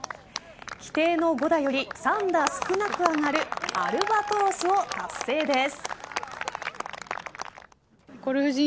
規定の５打より３打少なく上がるアルバトロスを達成です。